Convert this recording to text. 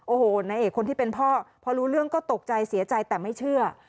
โอ้โหนายเอกคนที่เป็นพ่อพอรู้เรื่องก็ตกใจเสียใจแต่ไม่เชื่อ